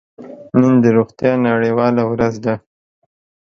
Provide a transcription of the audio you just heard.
نن د روغتیا نړیواله ورځ ده.